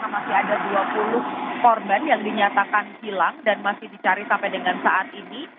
masih ada dua puluh korban yang dinyatakan hilang dan masih dicari sampai dengan saat ini